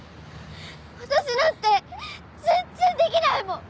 私なんて全然できないもん！